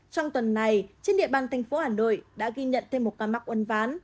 trong tuần này trên địa bàn thành phố hà nội đã ghi nhận thêm một ca mắc uẩn ván